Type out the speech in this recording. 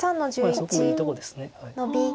そこもいいとこです。